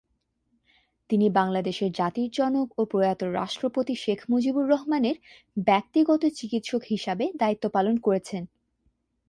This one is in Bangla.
তিনি বাংলাদেশের জাতির জনক ও প্রয়াত রাষ্ট্রপতি শেখ মুজিবুর রহমানের ব্যক্তিগত চিকিৎসক হিসাবে দায়িত্ব পালন করেছেন।